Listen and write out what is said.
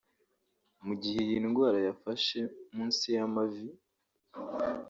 Mu gihe iyi ndwara yafashe munsi y’amavi